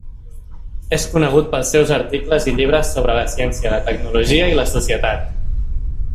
És conegut pels seus articles i llibres sobre la ciència, la tecnologia i la societat.